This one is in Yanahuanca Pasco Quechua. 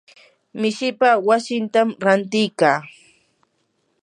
mishipaa wasitam ranti kaa.